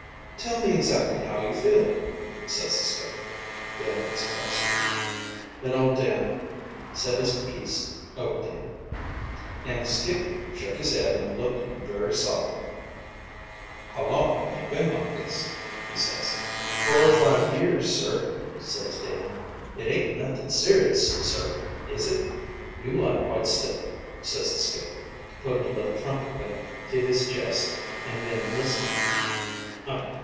"Tell me exactly how you feel,' ses the skipper, feeling his pulse. "Then old Dan said his piece over to him, an' the skipper shook his head an' looked very solemn. "'How long have you been like this?' he ses. "'Four or five years, sir,' ses Dan. 'It ain't nothing serious, sir, is it?' "'You lie quite still,' ses the skipper, putting a little trumpet thing to his chest an' then listening.